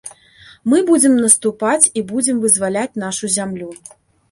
Мы будзем наступаць і будзем вызваляць нашу зямлю.